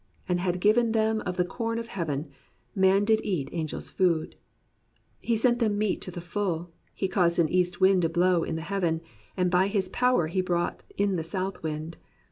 And had given them of the com of heaven, Man did eat angel's food : He sent them meat to the full. He caused an east wind to blow in the heaven. And by his power he brought in the south wind.